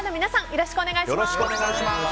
よろしくお願いします。